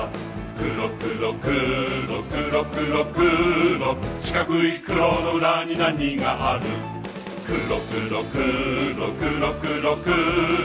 くろくろくろくろくろくろしかくいくろのうらになにがあるくろくろくろくろくろくろ